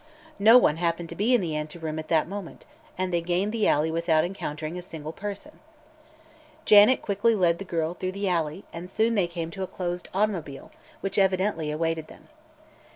No one happened to be in the anteroom at that moment and they gained the alley without encountering a single person. Janet quickly led the girl through the alley and soon they came to a closed automobile which evidently awaited them.